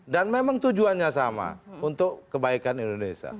dan memang tujuannya sama untuk kebaikan indonesia